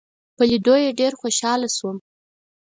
په لیدو یې ډېر خوشاله شوم.